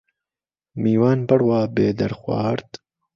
میوان بڕوا بێ دەرخوارد